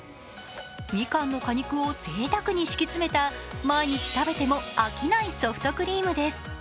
みかんの果肉をぜいたくに敷き詰めた毎日食べてもあきないソフトクリームです。